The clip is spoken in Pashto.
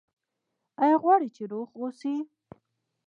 ایا غواړئ چې روغ اوسئ؟